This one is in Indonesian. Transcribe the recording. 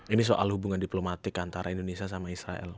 ini soal hubungan diplomatik antara indonesia sama israel